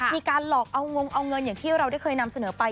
มีการหลอกเอางงเอาเงินอย่างที่เราได้เคยนำเสนอไป